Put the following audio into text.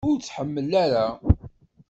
Ur t-tḥemmel ara?